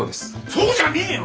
そうじゃねえよ！